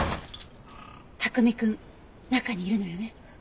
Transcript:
卓海くん中にいるのよね？